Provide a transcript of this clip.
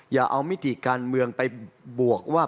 อย่าเอามิติการเมืองไปบวกว่า